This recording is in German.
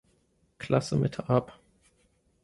Klasse Mitte ab.